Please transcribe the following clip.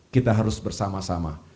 kita harus bersama sama